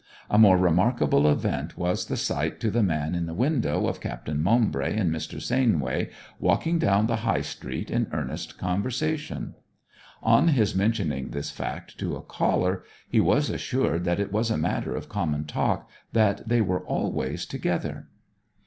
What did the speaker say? A more remarkable event was the sight to the man in the window of Captain Maumbry and Mr. Sainway walking down the High Street in earnest conversation. On his mentioning this fact to a caller he was assured that it was a matter of common talk that they were always together.